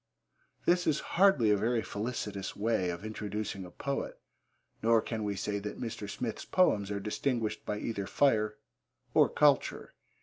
This is hardly a very felicitous way of introducing a poet, nor can we say that Mr. Smith's poems are distinguished by either fire or culture.